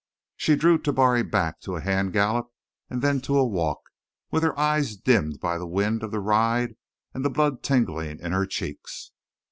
She drew Tabari back to a hand gallop and then to a walk with her eyes dimmed by the wind of the ride and the blood tingling in her cheeks.